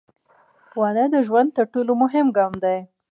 • واده د ژوند تر ټولو مهم ګام دی.